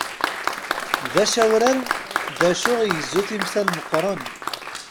D acawrar dacu igezzu timsal meqqren.